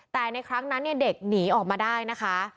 แต่ในครั้งนั้นเนี่ยเด็กหนีออกมาได้นะคะ